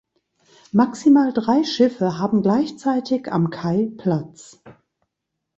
Maximal drei Schiffe haben gleichzeitig am Kai Platz.